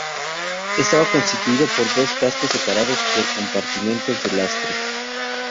Estaba constituido por dos cascos separados por compartimientos de lastre.